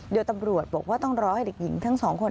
โดยตำรวจบอกว่าต้องรอให้เด็กหญิงทั้งสองคน